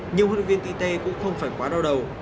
nhưng huấn luyện viên tite cũng không phải quá đau đầu